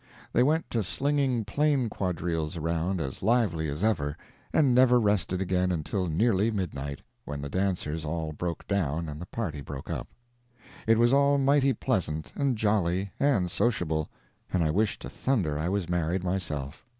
They went to slinging plain quadrilles around as lively as ever, and never rested again until nearly midnight, when the dancers all broke down and the party broke up. It was all mighty pleasant, and jolly, and sociable, and I wish to thunder I was married myself.